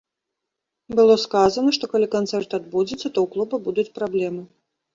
Было сказана, што калі канцэрт адбудзецца, то ў клуба будуць праблемы.